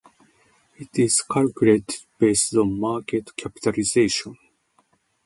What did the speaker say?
It is calculated based on market capitalization.